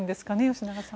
吉永さん。